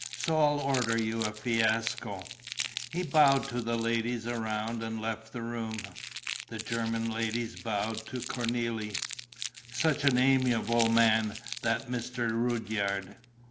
So I'll order you a fiasco." He bowed to the ladies around and left the room. The German ladies bowed to Cornélie. "Such an amiable man, that Mr. Rudyard."